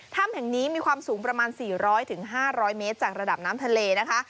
ถ้ำแห่งนี้มีความสูงประมาณ๔๐๐๕๐๐เมตรจากระดับน้ำทะเลนะคะ